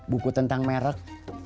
buku tentang merek